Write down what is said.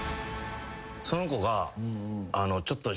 その子が。